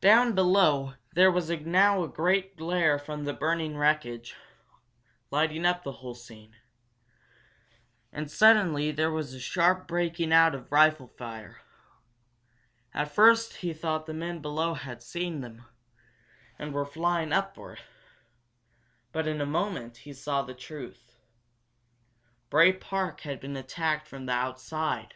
Down below there was now a great glare from the burning wreckage, lighting up the whole scene. And suddenly there was a sharp breaking out of rifle fire. At first he thought the men below had seen them, and were firing upward. But in a moment he saw the truth. Bray Park had been attacked from outside!